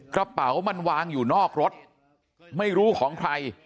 กระเป๋ามันวางอยู่นอกรถไม่รู้ของใคร